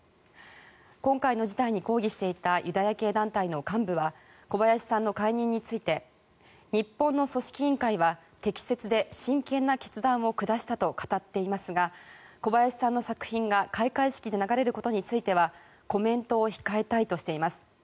今回の事態に抗議していたユダヤ系団体の幹部は小林さんの解任について日本の組織委員会は適切で真剣な決断を下したと語っていますが小林さんの作品が開会式で流れることについてはコメントを控えたいとしています。